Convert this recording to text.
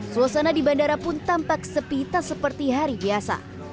suasana di bandara pun tampak sepi tak seperti hari biasa